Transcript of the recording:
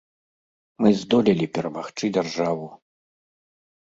Мы здолелі перамагчы дзяржаву.